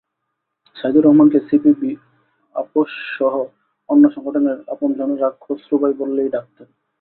সাইদুর রহমানকে সিপিবি, আপসোসহ অন্য সংগঠনের আপনজনেরা খসরু ভাই বলেই ডাকতেন।